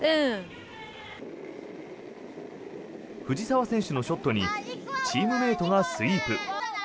藤澤選手のショットにチームメートがスイープ。